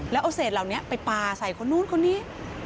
แล้วเอาเศษเหล่านี้ไปปลาใส่คนนู้นคนนี้